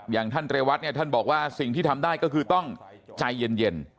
อย่างท่านเรวัตเนี่ยท่านบอกว่าสิ่งที่ทำได้ก็คือต้องใจเย็น